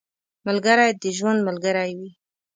ملګری د ژوند ملګری وي